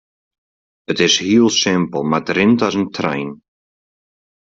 It is hiel simpel mar it rint as in trein.